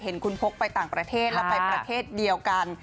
เห็นคุณพกไปต่างประเทศแล้วไปประเทศเดียวกัน